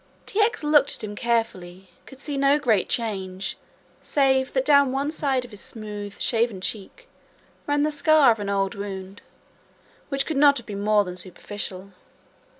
T. X. looking at him carefully could see no great change, save that down one side of his smooth shaven cheek ran the scar of an old wound; which could not have been much more than superficial.